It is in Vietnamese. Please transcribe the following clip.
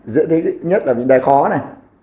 dưới thế nhất là những đai khó này